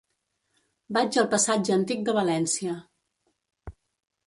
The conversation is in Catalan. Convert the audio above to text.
Vaig al passatge Antic de València.